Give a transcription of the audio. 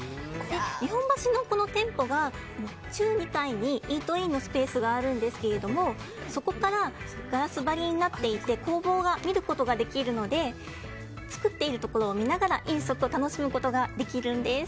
日本橋の店舗が中２階にイートインのスペースがあるんですがそこからガラス張りになっていて工房が見ることができるので作っているところを見ながら飲食を楽しむことができるんです。